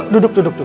duduk duduk duduk